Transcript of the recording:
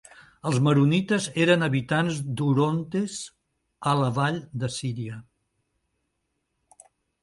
Els maronites eren habitants d'Orontes a la vall de Síria.